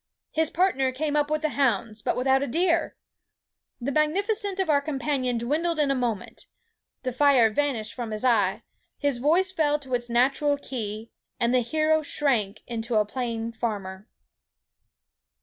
His partner came up with the hounds, but without a deer! The magnificence of our companion dwindled in a moment. The fire vanished from his eye; his voice fell to its natural key; and the hero shrank into a plain farmer."